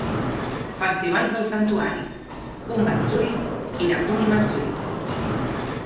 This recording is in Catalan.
Festivals del santuari: U-matsuri, Hirakuni-matsuri.